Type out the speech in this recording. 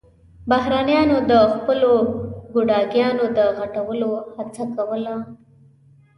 بهرنيانو د خپلو ګوډاګيانو د غټولو هڅه کوله.